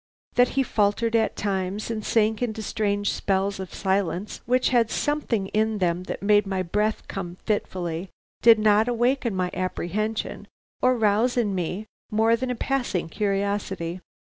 That he faltered at times and sank into strange spells of silence which had something in them that made my breath come fitfully, did not awaken my apprehension or rouse in me more than a passing curiosity.